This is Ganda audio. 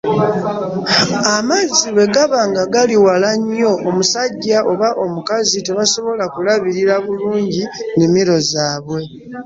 Amazzi bwe gaba nga gali wala nnyo omusajja oba omukazi tebasobola kulabirira bulungi nnimiro zaabwe.